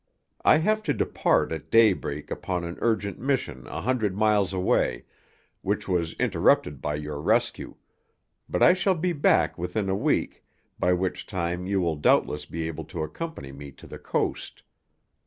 I have to depart at daybreak upon an urgent mission a hundred miles away, which was interrupted by your rescue; but I shall be back within a week, by which time you will doubtless be able to accompany me to the coast.